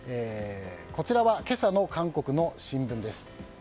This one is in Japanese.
こちらは、今朝の韓国の新聞です。